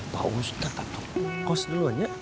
pak ustadz aku kos dulunya